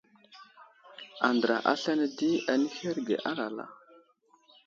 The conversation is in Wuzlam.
Andra aslane di anuherge alala.